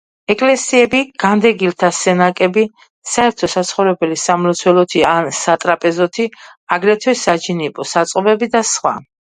ეკლესიები, განდეგილთა სენაკები, საერთო საცხოვრებელი სამლოცველოთი ან სატრაპეზოთი, აგრეთვე საჯინიბო, საწყობები და სხვა.